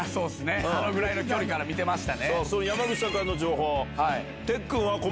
あのぐらいの距離から見てました。